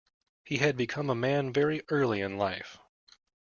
He had become a man very early in life.